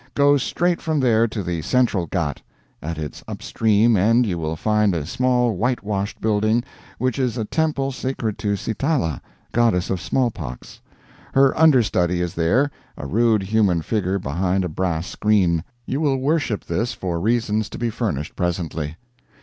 Go straight from there to the central Ghat. At its upstream end you will find a small whitewashed building, which is a temple sacred to Sitala, goddess of smallpox. Her under study is there a rude human figure behind a brass screen. You will worship this for reasons to be furnished presently.